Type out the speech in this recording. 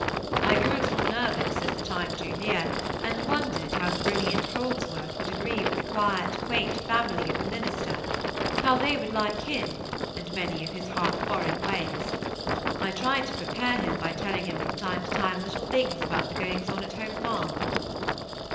I grew a little nervous, as the time drew near, and wondered how the brilliant Holdsworth would agree with the quiet quaint family of the minister; how they would like him, and many of his half foreign ways. I tried to prepare him, by telling him from time to time little things about the goings on at Hope Farm.